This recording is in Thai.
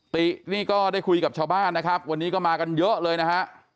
ตินี่ก็ได้คุยกับชาวบ้านนะครับวันนี้ก็มากันเยอะเลยนะฮะ